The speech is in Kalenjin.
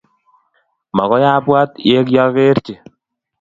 Makoy apwat ye kiagerchi.